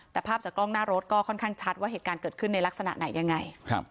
แต่ภาพจากกล้องหน้ารถก็ค่อนข้างชัดว่าเหตุการณ์เกิดขึ้นในลักษณะไหนยังไง